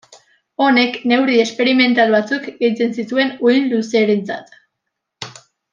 Honek neurri esperimental batzuk gehitzen zituen uhin luzerentzat.